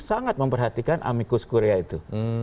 sangat memperhatikan amicus curia itu